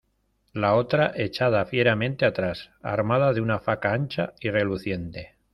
la otra echada fieramente atrás, armada de una faca ancha y reluciente.